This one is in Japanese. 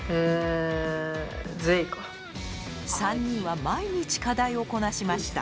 ３人は毎日課題をこなしました。